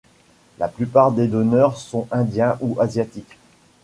La plupart des donneurs sont Indiens ou Asiatiques.